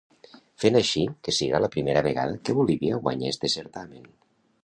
Fent així que siga la primera vegada que Bolívia guanya este certamen.